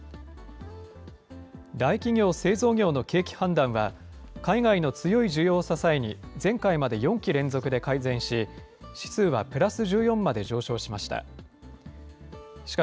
大企業・製造業の景気判断は、海外の強い需要を支えに、前回まで４期連続で改善し、指数はプラス１４まで上昇しました。